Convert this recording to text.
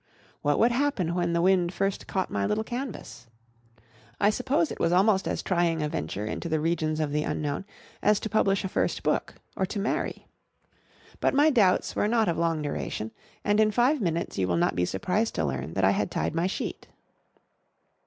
What would happen when the wind first caught my little canvas? I suppose it was almost as trying a venture into the regions of the unknown as to publish a first book, or to marry. But my doubts were not of long duration; and in five minutes you will not be surprised to learn that I had tied my sheet.